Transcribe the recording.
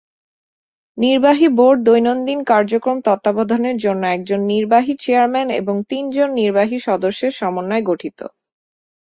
নির্বাহী বোর্ড দৈনন্দিন কার্যক্রম তত্ত্বাবধানের জন্য একজন নির্বাহী চেয়ারম্যান এবং তিন জন নির্বাহী সদস্যের সমন্বয়ে গঠিত।